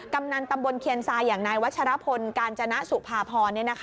กำนันตำบลเคียนทรายอย่างนายวัชรพลกาญจนสุภาพร